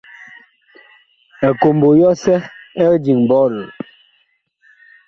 Ekombo yɔsɛ ɛg diŋ ɓɔɔl.